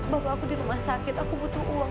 bahwa aku di rumah sakit aku butuh uang